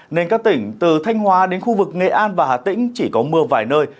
nên các tỉnh từ thanh hóa đến khu vực nghệ an và hà tĩnh chỉ có mưa vài nơi